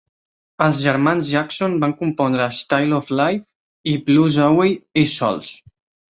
Els germans Jackson van compondre "Style of Life" i "Blues Away" ells sols.